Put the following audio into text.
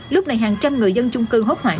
lúc này hàng trăm người dân chung cư hốt hoảng